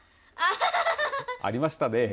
ありましたね。